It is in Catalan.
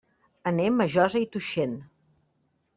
Anem a Josa i Tuixén.